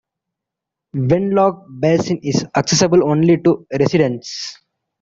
Wenlock Basin is accessible only to residents.